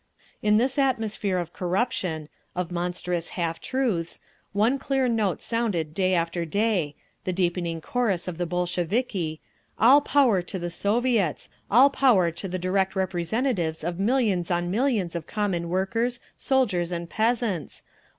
In this atmosphere of corruption, of monstrous half truths, one clear note sounded day after day, the deepening chorus of the Bolsheviki, "All Power to the Soviets! All power to the direct representatives of millions on millions of common workers, soldiers, peasants.